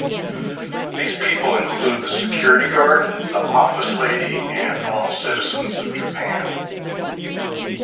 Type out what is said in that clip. These people include the security guard, the office lady, and normal citizens of Japan.